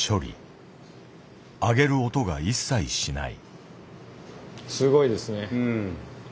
揚げる音が一切しない。